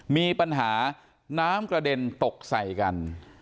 มีปัญหาน้ำกระเด็นตกใส่กัน